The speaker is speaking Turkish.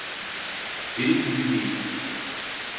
Benim gibi değil.